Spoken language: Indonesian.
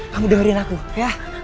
kamu dengerin aku ya